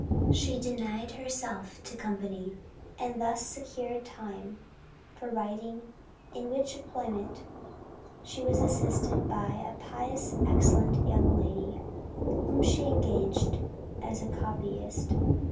She denied herself to company, and thus secured time for writing, in which employment she was assisted by "a pious excellent young lady," whom she engaged as a copyist.